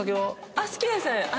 あっ好きです。